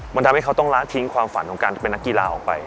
มันทำให้เขาต้องละทิ้งความฝันของการเป็นนักกีฬาออกไป